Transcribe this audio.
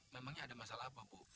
memangnya ada masalah apa bu